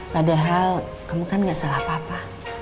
padahal kamu kan gak salah papa